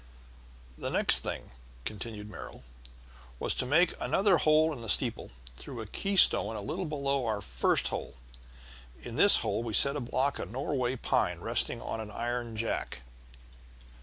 "] "The next thing," continued Merrill, "was to make another hole in the steeple through a keystone a little below our first hole. In this hole we set a block of Norway pine resting on an iron jack.